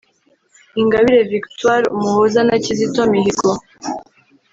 Ingabire Victoire Umuhoza na Kizito Mihigo